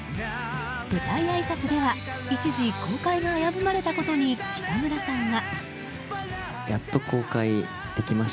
舞台あいさつでは一時、公開が危ぶまれたことに北村さんは。